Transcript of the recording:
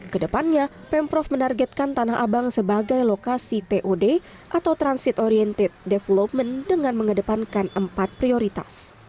kedepannya pemprov menargetkan tanah abang sebagai lokasi tod atau transit oriented development dengan mengedepankan empat prioritas